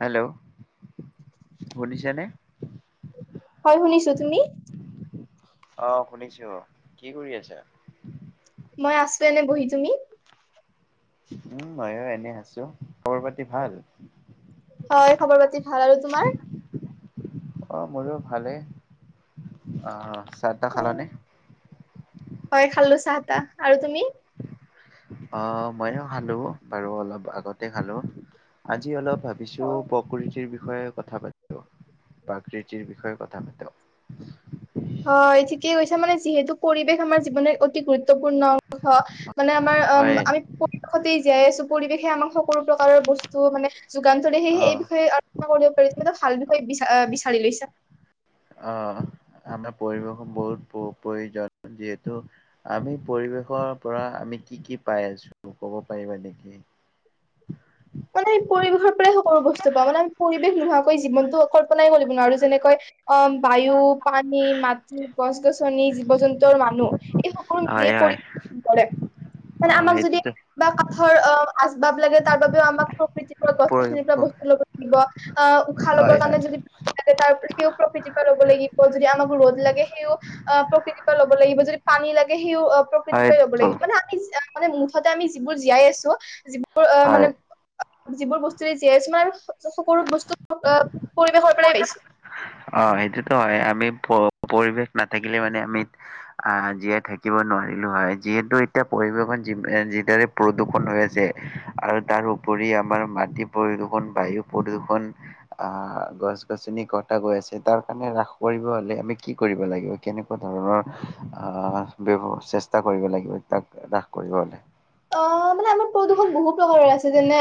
Hello শুনিছেনে? হয় শুনিছোঁ, তুমি? অ শুনিছোঁ, কি কৰি আছা? মই আছোঁ এনেই বহি। তুমি? উম মইয়ো এনে আছোঁ। খবৰ পাতি ভাল? হয় খবৰ পাতি ভাল। আৰু তোমাৰ? অ মোৰো ভালেই, আহ চাহ তাহ খালানে? হয় খালোঁ চাহ তাহ, আৰু তুমি? অ মইয়ো খালোঁ বাৰু অলপ আগতে খালোঁ, আজি অলপ ভাবিছো, প্ৰকৃতিৰ বিষয়ে কথা পাতো, প্ৰাকৃতিৰ বিষয়ে কথা পাতো। হয়, ঠিকেই কৈছা, মানে যিহেতু পৰিৱেশ, আমাৰ জীৱনৰ অতি গুৰুত্বপূৰ্ণ অংশ। মানে আমাৰ, হয়। আমি পৰিৱেশতে জীয়াই আছো, পৰিৱেশে আমাক সকলো প্ৰকাৰৰ বস্তু মানে যোগান ধৰে, অ সেয়েহে এই বিষয়ে আলোচনা কৰিব পাৰি, তুমি এটা ভাল বিষয়ে বিচা বিচাৰি লৈছা। অ', আমাৰ পৰিবেশৰ বহুত বহু প্ৰয়োজন। যিহেতু আমি পৰিৱেশৰ পৰা, আমি কি, কি পাই আছো ক'ব পাৰিবা নেকি? মানে পৰিবেশৰ পৰাই সকলো বস্তু পাওঁ, মানে আমি পৰিৱেশ নোহোৱাকৈ জীৱনটো কল্পনাই কৰিব নোৱাৰো, আৰু যেনেকৈ অ', বায়ু, পানী, মাটি, গছ-গছনি, জীৱ-জন্তু আৰু মানুহ। এই সকলো হয় মিলিয়ে, হয়। পৰিৱেশ [unintelligible] কৰে অ মানে আমাক যদি সেইটোতো বা কাঠৰ অ', আচবাব লাগে, তাৰ বাবেও আমাক, প্ৰকৃতিৰ পৰা গছ-গছনি পৰা পৰি বস্তু লব দিব অ', উশাহ হয় লবৰ কাৰণে যদি তাৰ সিও প্ৰকৃতিৰ পৰা ল'ব লাগিব, যদি আমাক ৰ'দ লাগে সিও অ', প্ৰকৃতিৰ পৰা ল'ব লাগিব, যদি পানী লাগে সি অ', প্ৰকৃতি হয়। পৰা ল'ব হয় লাগিব, মানে আমি মানে মুঠতে আমি যিবোৰ জীয়াই আছো বোৰ অ', হয় মানে যিবোৰ বস্তুৰে জীয়াই আছো, আৰু সকলো বস্তু পৰিবেশৰ পৰাই পাইছো। অ', সেইটোতো হৈয়ে, আমি পৰিৱেশ নাথাকিলে মানে আমি আহ জীয়াই থাকিব নোৱাৰিলো হয়, যিহেতু এতিয়া পৰিবেশৰ যিদৰে প্ৰদূষণ হৈ আছে, আৰু তাৰ ও উপৰি আমাৰ, মাটি প্ৰদূষণ, বায়ু প্ৰদূষণ আহ গছ-গছনি কটা এ গৈ আছে, তাৰ কাৰণে ৰাস কৰিব হ'লে আমি কি কৰিব লাগিব, কেনেকুৱা ধৰণৰ আহ ব্যৱ চেষ্টা কৰিব লাগিব, তাক হ্ৰাস কৰিব হ'লে। অ', মানে আমাৰ প্ৰদূষণ বহু প্ৰকাৰৰ আছে, যেনে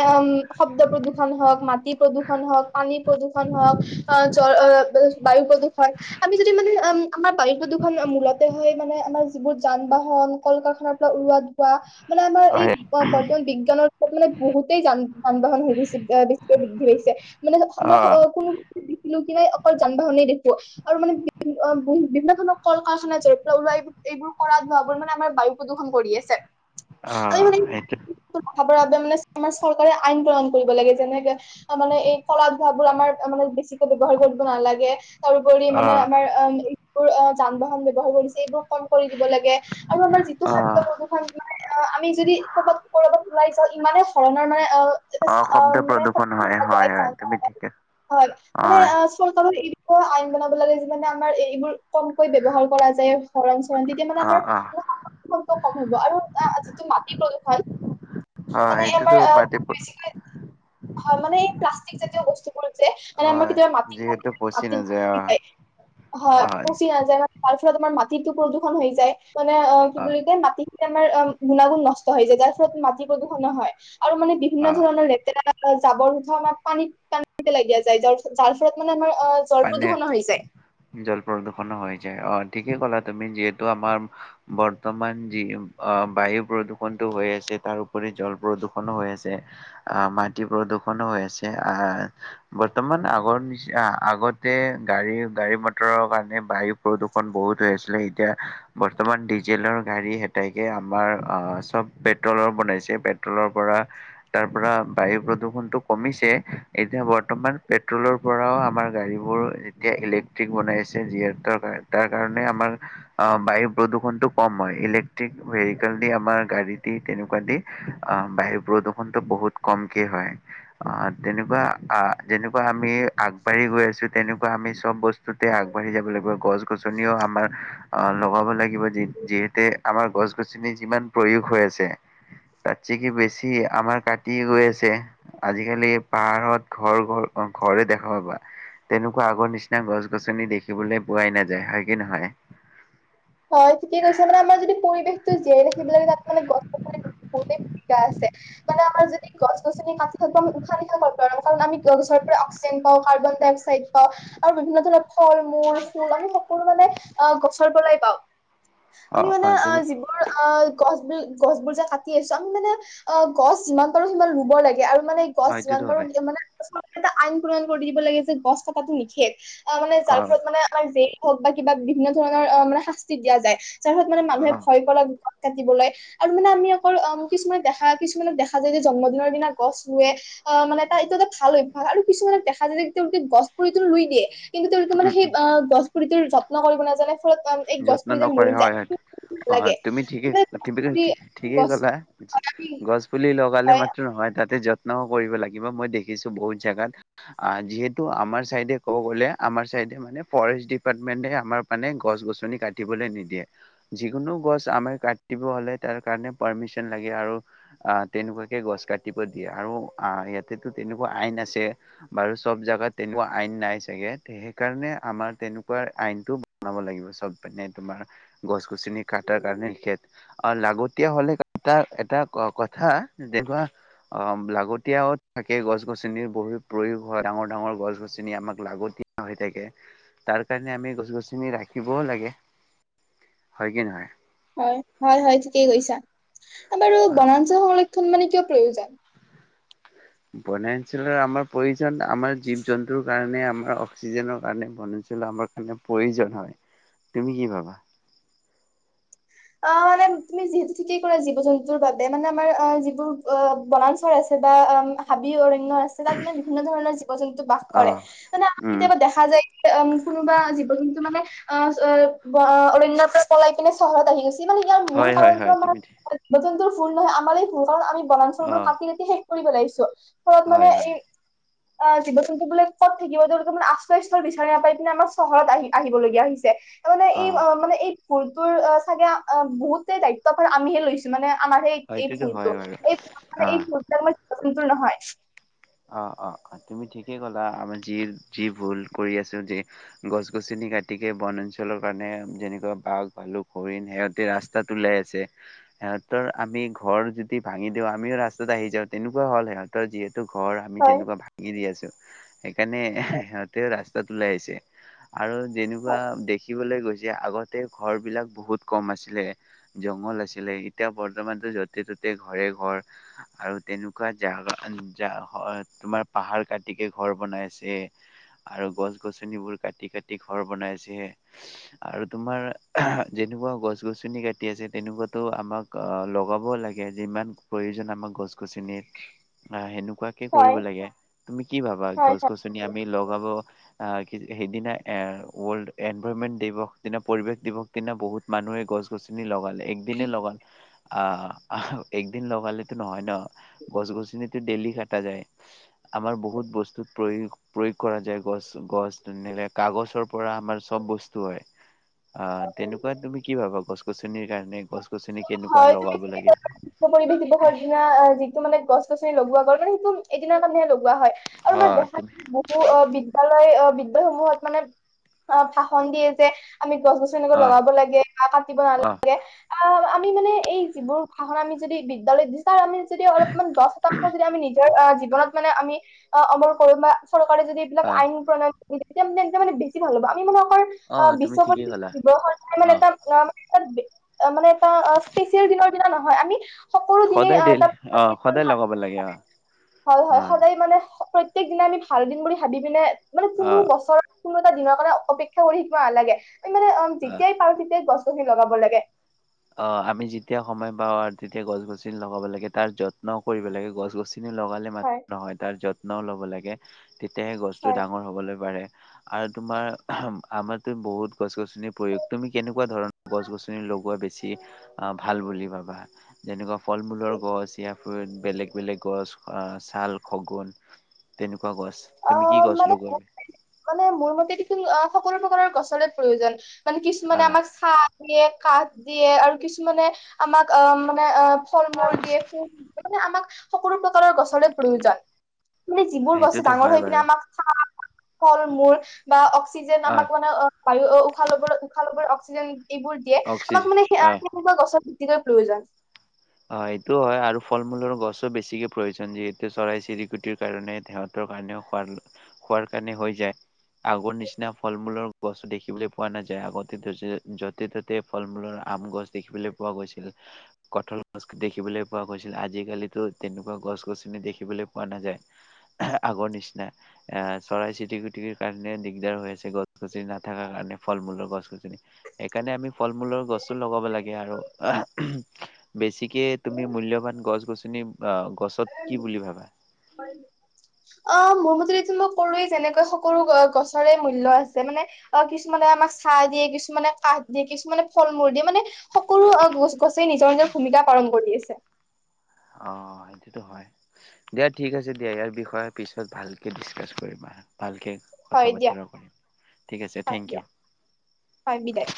শব্দ প্ৰদূষণ হওক, মাটি প্ৰদূ হওক, পানী প্ৰদূষণ হওক, আহ জ বায়ু প্ৰদূষণ, আমি যদি মানে আমাৰ বায়ু প্ৰদূষণ মূলতে হয়, মানে আমাৰ যিবোৰ যান-বাহন, কল-কাৰখানাৰ পৰা উলোৱা ধোৱা। মানে আমাৰ এই হয় বৰ্তমান বিজ্ঞানৰ মানে, বহুতেই যান যান-বাহন হৈ গৈছে বেছিকে বৃদ্ধি পাইছে। মানে অ আমাৰ, কোনো দেখিলো অকল যান-বাহনে দেখো, আৰু মানে অ', বিভিন্ন ধৰণৰ কল-কাৰখানা [unintelligible] ওলাই। এইবোৰ কৰাত ভাবো মানে, আমাৰ বায়ু প্ৰদূষণ কৰি আছে। অ', সেইটো। উঠাবৰ বাবে মানে, আমাৰ চৰকাৰে আইন প্ৰনয়ন কৰিব লাগে। যেনেকে অ', মানে এই কলা ধোঁৱাবোৰ, আমাৰ মানে বেছি। ব্যৱহাৰ কৰিব নালাগে, তাৰ উপৰি অ মানে আমাৰ বোৰ অ', যান-বাহন ব্যৱহাৰ কৰিছে, এইবোৰ কম কৰি দিব লাগে, আৰু আমাৰ যিটো অ শব্দ প্ৰদূষণ অ', আমি যদি কৰ'বাত, কৰ'বাত ওলাই যাওঁ, ইমানেই ধৰণৰ মানে অ'। শব্দ [unintelligible] প্ৰদূষণ হয় হয় হয় তুমি ঠিকে হয় চৰকাৰক এই বিষয়েও আইন বনাব লাগে, যি মানে আমাৰ এইবোৰ কমকৈ ব্যৱহাৰ কৰা যায়, হৰণ-চৰণ, তেতিয়া মানে অ আমাৰ অ [unintelligible] কম হ'ব। আৰু অ', যিটো মাটি প্ৰদূষণ, অ মানে সেইটোতো আমাৰ পাতি বেচিকৈ ভাল মানে এই, প্লাষ্টিক জাতীয় বস্তু মানে অ আমাৰ কেতিয়াবা মাটি যিহেতু পচি নাযায় অ অ [unintelligible] পচি নাযায়। তাৰ ফলত আমাৰ মাটিতো প্ৰদূষণ হৈ যায়, মানে অ', কি বুলি কয় মাটি গুণাগুণ নষ্ট হৈ যায়, যাৰ ফলত মাটি প্ৰদূষণ নহয়, আৰু মানে বিভিন্ন অ ধৰণৰ লেতেৰা অ', জাবৰ-জোথৰ আমাৰ পানীত, পানীতে পেলায় দিয়া যায়, যাৰ ফলত ফলত মানে আমাৰ অ'। জল পানীয়ে, প্ৰদূষণো হৈ যায় জল প্ৰদূষণো হৈ যায়, অ', ঠিকেই ক'লা তুমি যিহেতু আমাৰ বৰ্তমান যি আহ বায়ু প্ৰদূষণটো হৈ আছে তাৰোপৰি জল প্ৰদূষণো হৈ আছে। আহ মাটি প্ৰদূষণো হৈ আছে আহ বৰ্তমান আগৰ নিচি আগতে গাড়ী গাড়ী মটৰৰ কাৰণে বায়ু প্ৰদূৰষণ বহুত হৈ আছিলে, এতিয়া বৰ্তমান ডিজেলৰ গাড়ী হটাইকে আমাৰ আহ চব পেট্ৰলৰ বনাইছে পেট্ৰলৰ পৰা তাৰ পৰা বায়ু প্ৰদূষণটো কমিছে এতিয়া বৰ্তমান পেট্ৰলৰ পৰাও আমাৰ গাড়ী বোৰ এতিয়া ইলেক্ট্ৰিক বনাইছে যিহেতু তাৰ কাৰণে আমাৰ অ' বায়ু প্ৰদূষণটো কম হয় ইলেক্ট্ৰিক ভেহিকেল দি আমাৰ গাড়ী দি তেনেকুৱা দি অ' বায়ু প্ৰদূষণটো বহুত কমকে হয়। অ' তেনেকুৱা আ এনেকুৱা আমি আগবাঢ়ি গৈ তেনেকুৱা আমি চব বস্তুতে আগবাঢ়ি যাব লাগিব। গছ গছনিও আমাৰ অ' লগাব লাগিব যি যিহেতু আমাৰ গছ গছনি যিমান প্ৰয়োগ হৈ আছে। তাত চিকি বেছি আমাৰ কাতি হৈ আছে। আজিকালি পাহাৰত ঘৰ ঘৰ ঘৰে দেখা পাবা। তেনেকুৱা আগৰ নিচিনা গছ গছনি দেখিবলৈ পোৱাই নাযায় হয় কি নহয়? হয় ঠিকে কৈছে মানে আমাৰ যদি পৰিৱেশটো জীয়াই ৰাখিব লাগে তাত মানে গছ বহুতেই শিকা আছে। আমাৰ যদিগছ গছনি কাটি থাকো আমি উশাহ - নিশাহ কৰ পৰা লম কাৰণ আমি গছৰ পৰা অক্সিজেন পাওঁ কাৰ্বন ডাই অ্স পাওঁ আৰু বিভিন্ন ধৰণৰ ফল- মূল, ফুল আমি সকলো মানে গছ পৰাই পাওঁ অ আমি অ মানে তুমি যিবোৰ এই বোৰ গছ বি গছ বোৰ যে কাটি আছোঁ আমি মানে অ গছ যিমান পাৰো সিমান ৰুব লাগে আৰু মানে গছ যিমান হয়টোতো পাৰো হয় মানে এটা আইন প্ৰনয়ন কৰি দিব লাগে যে গছ কাতাটো নিষেধ। অ' মানে যাৰ ফলত মানে আমাৰ জেইল হওঁক বা কিবা বিভিন্ন ধৰণৰ অ মানে শাস্তি দিয়া যায়। যাৰ ফলত মানে মানুহে অ ভয় কৰক গছ কাটিবলৈ। আৰু মানে আমি অকল অ কিছুমানে দেখা কিছুমানক দেখা যায় যে জন্মদিনৰ দিনা গছ ৰুৱে অ মানে তাৰ এইটো এটা ভাল অভ্যাস। আৰু কিছুমানে দেখা যায় যে তেওঁ গছ পৰিটো ৰুই দিয়ে। কিন্তু তেওঁলোকে মানে সেই গছ পুুলিটোৰ যত্ন কৰিব নাজানে ফলত এই গছ যত্ন পুলিডাল মৰি নকৰে যায় হয় হয় অ লাগে তুমি ঠিকে তুমি ঠিকেই ক'লা। গছপুলি গছ পুলি লগালে হয় মাত্ৰ নহয় তাতে যত্নও কৰিব লাগিব মই দেখিছোঁ বহুত জেগাত যিহেতু আমাৰ চাইডে ক'ব গ'লে আমাৰ চাইডে মানে ফৰেষ্ট ডিপাৰ্টমেন্টে আমাৰ মানে গছ- গছ গছনি কাটিবলৈ নিদিয়ে। যিকোনো গছ আমাৰ কাটিব হ'লে তাৰ কাৰণে পাৰ্মিশন লাগে আৰু আহ তেনেকুৱাকে গছ কাটিব দিয়ে আৰু আহ ইয়াতেতো তেনেকুৱা আইন আছে। বাৰু চব জাগাত তেনেকুৱা আইন নাই চাগে সেই কাৰণে আমাৰ তেনেকুৱা আইনটো বনাব লাগিব চব মানে তোমাৰ গছ গছনি কাটাৰ কাৰণে অ' লাগতিয়া হ'লে এটা এটা কথা অ' লাগতিয়াও থাকে গছ গছনিৰ বহুত প্ৰয়োগ হয় ডাঙৰ ডাঙৰ গছ গছনি আমাক লাগতি হৈ থাকে তাৰ কাৰণে আমি গছ গছিনি ৰাখিবও লাগে। হয় কি নহয়? হয়! হয়, হয় ঠিকেই কৈছা, বাৰু আহ বনাঞ্চল সংৰক্ষণ মানে কিয় প্ৰয়োজন? বনাঞ্চলৰ আমাৰ প্ৰয়োজন আমাৰ জীৱ জন্তুৰ কাৰণে আমাৰ অক্সিজেনৰ কাৰণে বনাঞ্চলৰ আমাৰ প্ৰয়োজন হয়, তুমি কি ভাবা? অ' মানে তুমি যিহেতু ঠিকেই কৰা জীৱ জন্তুৰ বাবে মানে আমাৰ অ যিবোৰ অ বনাঞ্চল আছে বা হাবি অৰণ্য আছে। তাত মানে বিভিন্ন ধৰণৰ জীৱ জন্তু বাস অ কৰে, মানে আমাৰ উম কেতিয়াবা দেখা দেখা যায় কোনোবা জীৱ জন্তু মানে অ', অৰণ্যৰ পৰা পলাই কিনে চহৰত [unintelligible] মানে ইয়াৰ মূল হয় হয় কাৰণটো হয় আমাৰ তুমি জীৱ-জন্তুৰ ভুল নহয় আমাৰেই ভুল কাৰণ আমি অ বনাঞ্চলবোৰ কাটি কাটি শেষ কৰিব লাগিছো। ফলত মানে হয় হয় এই অ', জীৱ-জন্তুবিলাক ক'ত থাকিব তেওঁলোকে মানে আশ্ৰয়স্থল বিচাৰি নাপাই পিনে আমাৰ চহৰত আহি আহিবলগীয়া হৈছে। তাৰমানে এই অ', মানে এই ভুল তোৰ চাগে বহুতে দায়িত্বভাৰ আমিহে লৈছো মানে আমাৰ সেই এই সেইটোতো হয় ভুলটো, বাৰু এই ভুলটো অ মানে এই ভুল আমাৰ জন্তুৰ নহয়। অ', অ', তুমি ঠিকেই ক'লা আমাৰ যি যি ভুল কৰি আছোঁ যি। গছ-গছনি কাটিকে বনাঞ্চলৰ কাৰণে যেনেকুৱা বাঘ, ভালুক, হৰিণ সেহঁত তে ৰাস্তাত ওলাই আছে। সিহঁতৰ আমি ঘৰ যদি ভাঙি দিওঁ আমিও ৰাস্তাত আহি যাওঁ তেনেকুৱা হ'ল, সিহঁতৰ যিহেতু ঘৰ আমি হয়, যেনেকুৱা ভাাগি দি আছোঁ, সেইকাৰণে সিহঁতেও ৰাস্তাত ওলাই আহিছে। আৰু যেনেকুৱা দেখিবলৈ গৈছে আগতে ঘৰবিলাক বহুত কম আছিলে। জংঘল আছিলে, এতিয়া বৰ্তমানটো য'তে ত'তে ঘৰে ঘৰ। আৰু তেনেকুৱা জাগা তে তোমাৰ পাহাৰ কাটিকে ঘৰ বনাই আছে। আৰু গছ-গছনিবোৰ কাটি কাটি ঘৰ বনাই আছে। আৰু তোমাৰ যেনেকুৱা গছ-গছনি কাটি আছে তেনেকুৱাতো আমাক কা লগাব লাগে যিমান প্ৰয়োজন আমাৰ গছ গছনিৰ। আ, সেনেকুৱাকে কৰিব হয়, লাগে তুমি কি ভাবা হয়, গছ হয়। গছনি আমি লগাব আহ, কি সেইদিনা এ ৱৰ্ল্ড এনভাৰমেন্ট দিৱস দিনা পৰিৱেশ দিৱস দিনা বহুত মানুহে গছ-গছনি লগালে এক দিনে লগালে অহ, একদিন লগালেতো নহয় ন' গছ-গছনিত টো ডেইলি কাটা যায় আমাৰ বহুত বস্তুত প্ৰয়োগ প্ৰয়োগ কৰা যায়, গছ গছ ধুনিলে কাগজৰ পৰা আমাৰ চব বস্তু হয়। অ', তেনেকুৱা তুমি কি ভাবা গছ গছনিৰ কাৰণে গছ-গছনি কেনেকুৱা হয়, তুমি লগাব লাগে? বিশ্ব পৰিৱেশ দিৱসৰ দিনা যিটো মানে গছ-গছনি লগোৱা গ'ল মানে সেইটো এদিনা মানহে লগোৱা হয় আৰু অ মানে দেখাত তুমি টো অ', বিদ্যালয় বিদ্যালয় সমূহত মানে অ', ভাষণ দিয়ে যে আমি গছ তেনেক অ লগাব লাগে বা কাটিব নালা অ গে অহ, আমি মানে এই যিবোৰ ভাষণ আমি যদি বিদ্যালয়ত দি তাৰ আমি যদি অলপমান দশ শতাংশ যদি আমি নিজৰ জীৱনত মানে আমি [unintelligible] কৰোঁ বা চৰকাৰে যদি এইবিলাক অ আইন প্ৰণয়ন দি তেতিয়া তেন্তে মানে বেছি ভাল হ'ব, আমি মানে অ তুমি বিশ্ব অ', ঠিকেই ক'লা [unintelligible] মানে অ এটা মানে মানে এটা অ', স্পেচিয়েল দিনৰ দিনা নহয় আমি সকলো দিনেই সদায় অহ, ডেইলি তাত অ সদায় লগাব লাগে অ হয় হয় অ সদায় মানে প্ৰ প্ৰত্যেক দিনা আমি ভাল দিন বুলি ভাবি পিনে মানে অ কোনো বছৰ কোনো এটা দিনৰ কাৰণে অপেক্ষা কৰি শিকিব নালাগে মানে অ যেতিয়াই পাৰোঁ তেতিয়াই গছ-গছনি লগাব লাগে। অ', আমি যেতিয়া সময় পাওঁ আৰু তেতিয়া গছ-গছনি লগাব লাগে তাৰ যত্নও কৰিব লাগে গছ-গছনি লগালে হয় নহয় তাৰ যত্নও ল'ব লাগে তেতিয়াহে গছতো হয় ডাঙৰ হ'বলৈ পাৰে। আৰু তোমাৰ আমাৰো বহুত গছ-গছনি প্ৰয়োগ তুমি কেনেকুৱা ধৰণৰ গছ-গছনি লগোৱা বেছি অহ, ভাল বুলি ভাবা। যেনেকুৱা ফল-মূলৰ গছ ইয়াৰ বেলেগ বেলেগ গছ অ', ছাল খগুন। তেনেকুৱা গছ অ তুমি কি গছ মানে লগোৱা আমি? মানে মোৰ মতে দেখোন অ', সকলো প্ৰকাৰৰ গছৰে প্ৰয়োজন মানে কিছুমানে আহ আমাক ছা দিয়ে, কাঠ দিয়ে আৰু কিছুমানে আমাক অ'- মানে অ'- ফল-মূল দিয়ে সো- মানে আমাক সকলো প্ৰকাৰৰ গছৰে প্ৰয়োজন। মানে যিবোৰ গছ সেইটোতো ডাঙৰ হয় হৈ পিনে বাৰু আমাক, [inaudible] ফল-মূল বা অক্সিজেন আহ আমাক অ' বায়ু- অ'- উশাহ ল'বলৈ- উশাহ ল'বলৈ- অক্সিজেন- এইবোৰ দিয়ে, আমাক অক্সিজেন মানে সে আহ সেনেকুৱা গছৰ অতিকৈ প্ৰয়োজন। অ' এইটো হয় আৰু ফল-মূলৰ গছো বেছিকে প্ৰয়োজন, যিহেতু চৰাই-চিৰিকুটিৰ কাৰণে তেহত তৰ কাৰণেও খোৱাৰ- খোৱাৰ কাৰণে হৈ যায়। আগৰ নিচিনা ফল-মূলৰ গছো দেখিবলৈ পোৱা নাযায়। আগতে তযে যতে ত তে ফল-মূলৰ আম গছ দেখিবলৈ পোৱা গৈছিল। কঠল গছ দেখিবলৈ পোৱা গৈছিল। আজিকালিতো তেনেকুৱা গছ-গছনি দেখিবলৈ পোৱা নাযায়। আগৰ নিচিনা। অ' চৰাইচিটিকুটিৰ কাৰণে দিগদাৰ হৈ আছে গছ-গছনি নাথাকাৰ কাৰণে, ফল-মূলৰ গছ-গছনি এইকাৰণে আমি ফল-মূলৰ গছো লগাব লাগে আৰু বেছিকে তুমি প্ৰয়োজন মূল্যৱান গছ-গছনি- অ'- গছত কি বুলি ভাবা? [inaudible] অ' মোৰ মতে এইটো মই ক'লোঁৱে যেনেকৈ সকলো গ- গছৰে মূল্য আছে, মানে অ' কিছুমানে আমাক ছাঁ দিয়ে, কিছুমানে কাঠ দিয়ে, কিছুমানে ফল-মূল দিয়ে, মানে সকলো অ'- গছ- গছে নিজৰ - নিজৰ ভূমিকা পালন কৰি আছে। অ' সেইটোতো হয়। দিয়া, ঠিক আছে দিয়া। ইয়াৰ বিষয়ে পিছত ভালকে ডিচকাছ কৰিম আহা ভালকে কথা হয় দিয়া। বতৰা কৰিম ঠিক আছে হয় থেংক ইউ। দিয়া। হয় বিদায়।